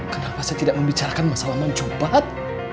kenapa saya tidak membicarakan masalah mencopat